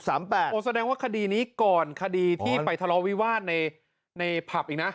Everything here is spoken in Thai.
แสดงว่าคดีนี้ก่อนคดีที่ไปทะเลาวิวาสในผับอีกนะ